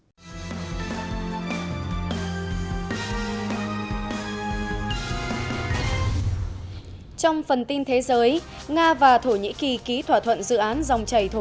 trong phần tin thế giới nga và thổ nhĩ kỳ ký thỏa thuận dự án dòng chảy thổ